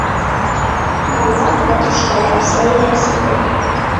Баллап, мәтрүшкәләп сәй ҙә эсерҙе.